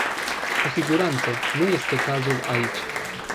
Cu siguranță, nu este cazul aici.